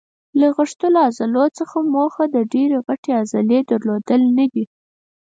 له غښتلو عضلو څخه موخه د ډېرې غټې عضلې درلودل نه دي.